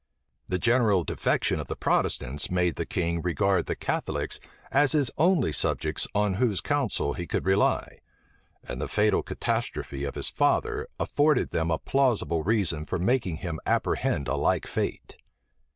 The general defection of the Protestants made the king regard the Catholics as his only subjects on whose counsel he could rely; and the fatal catastrophe of his father afforded them a plausible reason for making him apprehend a like fate.